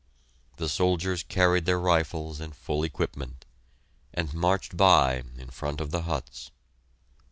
The soldiers carried their rifles and full equipment, and marched by in front of the huts.